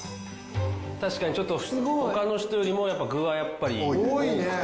確かにちょっと他の人よりも具はやっぱり多くて。